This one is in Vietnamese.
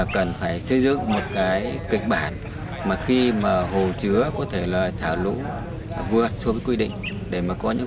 cần phải xây dựng một kịch bản khi mà hồ chứa có thể trả lũ vượt xuống quy định để có những